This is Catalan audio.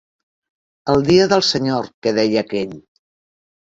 El dia del senyor, que deia aquell.